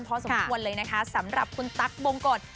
พอสมควรเลยนะคะสำหรับคุณตั๊กบงกฎ